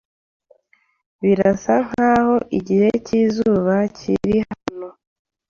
Birasa nkaho igihe cyizuba kiri hano.